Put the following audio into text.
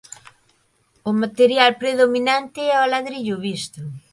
O material predominante é o ladrillo visto.